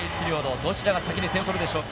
どちらが先に点を取るでしょうか。